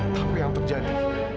tapi yang terjadi